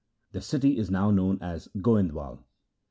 The city is now known as Goindwal.